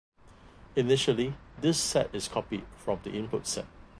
Initially, this set is copied from the input set.